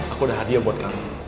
aku udah hadiah buat kamu